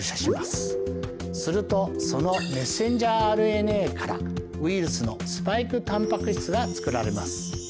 するとそのメッセンジャーＲＮＡからウイルスのスパイクタンパク質がつくられます。